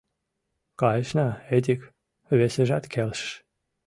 — Кайышна, Эдик, — весыжат келшыш.